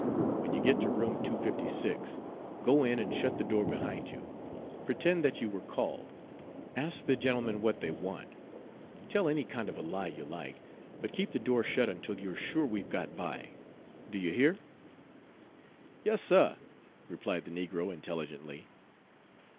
When you get to room 256, go in and shut the door behind you: pretend that you were called, ask the gentlemen what they want, tell any kind of a lie you like, but keep the door shut until you're sure we've got by. Do you hear?" "Yes, suh," replied the negro intelligently.